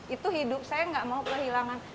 itu hidup saya nggak mau kehilangan